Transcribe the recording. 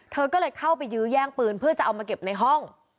เธอก็เลยเข้าไปยื้อแย่งปืนเพื่อจะเอามาเก็บในห้อง